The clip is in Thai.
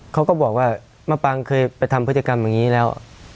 เขาก็บอกว่ามะปางเคยไปทำพฤติกรรมอย่างนี้แล้ว